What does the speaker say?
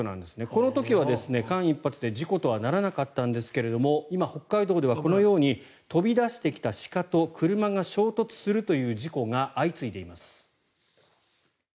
この時は間一髪で事故とはならなかったんですが今、北海道ではこのように飛び出してきた鹿と車が衝突するという事故が相次いでいます。